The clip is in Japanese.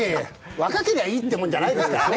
若けりゃいいってもんじゃないですからね。